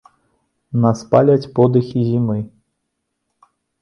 Нас паляць подыхі зімы.